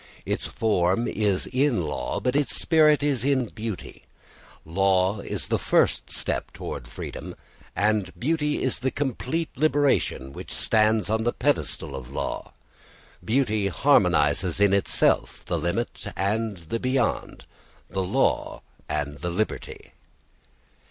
Its form is in law but its spirit is in beauty. Law is the first step towards freedom, and beauty is the complete liberation which stands on the pedestal of law. Beauty harmonises in itself the limit and the beyond, the law and the liberty.